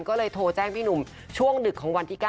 ก็เลยโทรแจ้งพี่หนุ่มช่วงดึกของวันที่๙